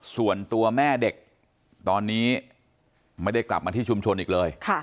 ส่วนตัวแม่เด็กตอนนี้ไม่ได้กลับมาที่ชุมชนอีกเลย